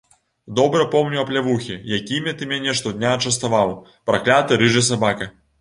Добра помню аплявухі, якімі ты мяне штодня частаваў, пракляты рыжы сабака!